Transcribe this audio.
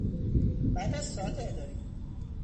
بعد از ساعات اداری